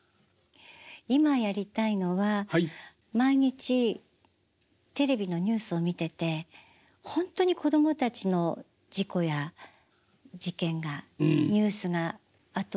今やりたいのは毎日テレビのニュースを見てて本当に子供たちの事故や事件がニュースが後を絶たないんです。